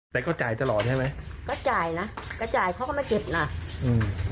แต่ก็จ่ายตลอดใช่ไหมก็จ่ายนะก็จ่ายเขาก็มาเก็บล่ะอืม